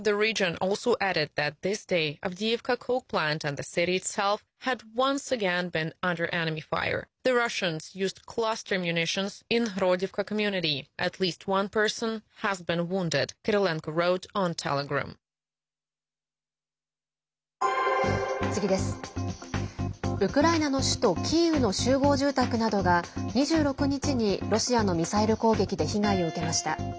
ウクライナの首都キーウの集合住宅などが２６日にロシアのミサイル攻撃で被害を受けました。